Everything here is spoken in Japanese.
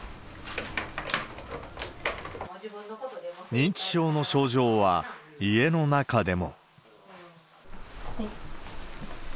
認知症の症状は、家の中でも。